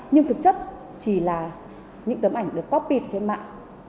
nhưng thực chất chỉ là những tấm ảnh được coppit trên mạng